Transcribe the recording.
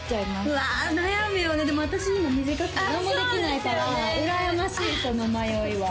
うわ悩むよねでも私今短くて何もできないからうらやましいその迷いはあ